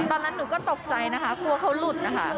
ตอนนั้นหนูก็ตกใจนะคะกลัวเขาหลุดนะคะ